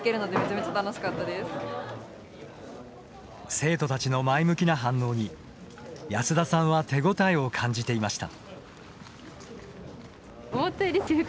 生徒たちの前向きな反応に安田さんは手応えを感じていました。